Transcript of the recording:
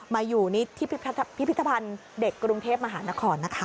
มาอยู่ที่พิพิธภัณฑ์เด็กกรุงเทพมหานครนะคะ